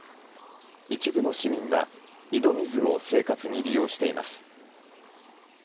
一部の市民は井戸水を生活に利用しています。